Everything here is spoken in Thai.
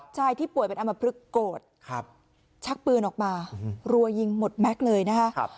ที่ป่วยเป็นอำมพลึกโกรธชักปืนออกมารัวยิงหมดแม็กซ์เลยนะคะ